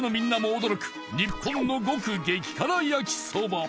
日本の獄激辛やきそば